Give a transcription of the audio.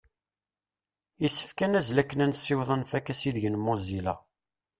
Issefk ad nazzel akken ad nessiweḍ ad nfak asideg n Mozilla.